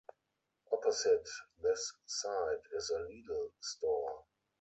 Opposite this site is a Lidl store.